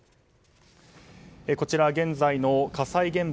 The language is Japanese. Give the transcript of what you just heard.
こちら、現在の火災現場